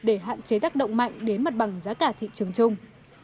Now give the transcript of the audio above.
để hạn chế tác động mạnh đến mặt bằng giá cả thị trường chung